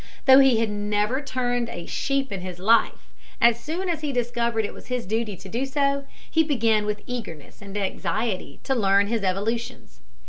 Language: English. Though he had never turned a sheep in his life, as soon as he discovered it was his duty to do so he began with eagerness and anxiety to learn his evolutions.